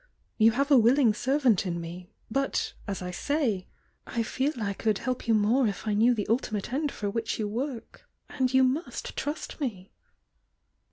You have a willing servant in me — but, as I say, I feel I could help you more if I knew the ultimate end for which you work, — and you must trust me!"